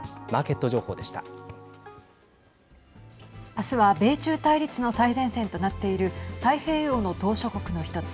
あすは米中対立の最前線となっている太平洋の島しょ国の１つ